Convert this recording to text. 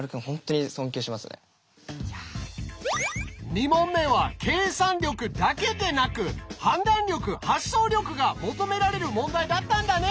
２問目は計算力だけでなく判断力発想力が求められる問題だったんだね。